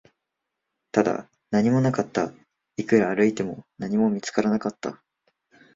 ただ、何もなかった、いくら歩いても、何も見つからなかった